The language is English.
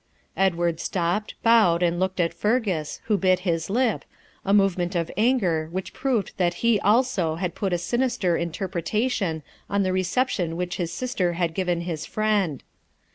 Edward stopped, bowed, and looked at Fergus, who bit his lip, a movement of anger which proved that he also had put a sinister interpretation on the reception which his sister had given his friend.